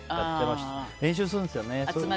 練習するんですよね。